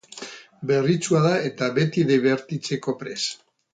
Berritsua eta beti dibertitzeko prest.